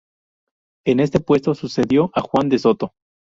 En este puesto sucedió a Juan de Soto.